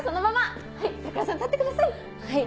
はい板倉さん立ってください。